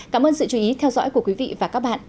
cảm ơn sự chú ý theo dõi của quý vị và các bạn